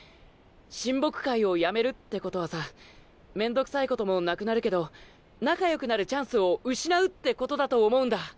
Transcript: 親睦会を止めるってことはさ面倒くさいこともなくなるけど仲良くなるチャンスを失うってことだと思うんだ。